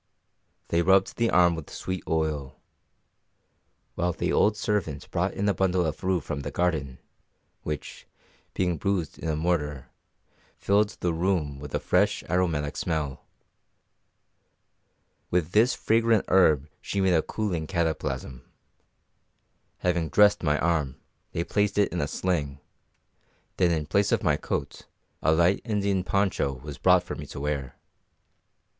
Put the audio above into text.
They rubbed the arm with sweet oil; while the old servant brought in a bundle of rue from the garden, which, being bruised in a mortar, filled the room with a fresh, aromatic smell. With this fragrant herb she made a cooling cataplasm. Having dressed my arm, they placed it in a sling, then in place of my coat a light Indian poncho was brought for me to wear.